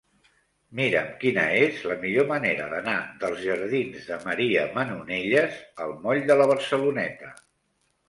Mira'm quina és la millor manera d'anar dels jardins de Maria Manonelles al moll de la Barceloneta.